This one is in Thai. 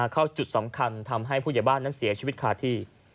เข้าจุดสำคัญทำให้ผู้ใหญ่บ้านนั้นเสียชีวิตคาที่